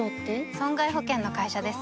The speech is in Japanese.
損害保険の会社です